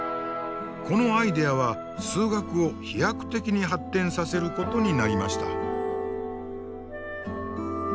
このアイデアは数学を飛躍的に発展させることになりました。